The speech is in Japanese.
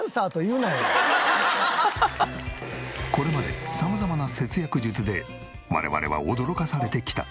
これまで様々な節約術で我々は驚かされてきた。